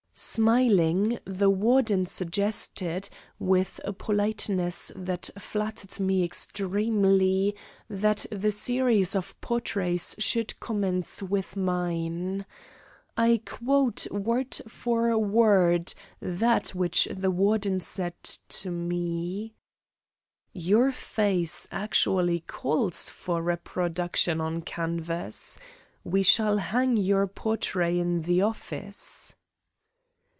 Smiling, the Warden suggested, with a politeness that flattered me extremely, that the series of portraits should commence with mine. I quote word for word that which the Warden said to me: "Your face actually calls for reproduction on canvas. We shall hang your portrait in the office."